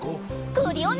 クリオネ！